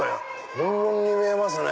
本物に見えますね。